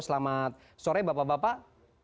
selamat sore bapak bapak